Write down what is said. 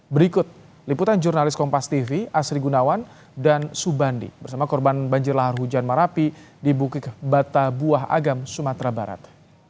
berikut liputan jurnalis kompas tv asri gunawan dan subandi bersama korban banjir lahar hujan marapi di bukit bata buah agam sumatera barat